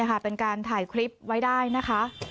เป็นการถ่ายคลิปไว้ได้นะคะ